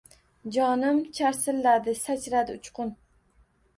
Jonim charsilladi, sachradi uchqun